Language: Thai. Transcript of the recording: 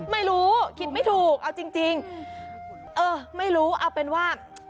ไม่รู้คิดไม่ถูกเอาจริงเออไม่รู้เอาเป็นว่า